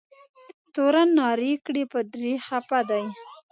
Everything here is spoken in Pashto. تورن نارې کړې پادري خفه دی.